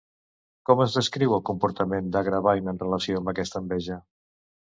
Com es descriu el comportament d'Agravain en relació amb aquesta enveja?